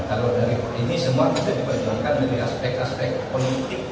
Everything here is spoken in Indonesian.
kalau dari ini semua bisa diperjuangkan dari aspek aspek politik